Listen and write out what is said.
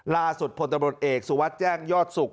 ล่าสุดพลตำรวจเอกสุวัสดิ์แจ้งยอดสุข